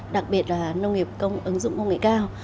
đặc biệt là nông nghiệp công ứng dụng công nghệ cao